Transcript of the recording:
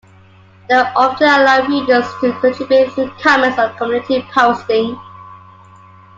They often allow readers to contribute through comments or community posting.